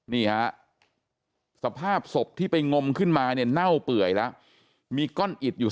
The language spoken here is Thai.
นี่ฮะสภาพศพที่ไปงมขึ้นมาเนี่ยเน่าเปื่อยแล้วมีก้อนอิดอยู่